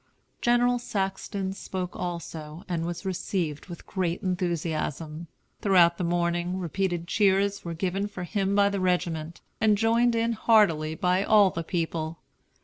General Saxton spoke also, and was received with great enthusiasm. Throughout the morning, repeated cheers were given for him by the regiment, and joined in heartily by all the people.